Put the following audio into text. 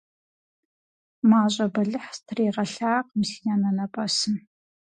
Мащӏэ бэлыхь стригъэлъакъым си анэнэпӏэсым.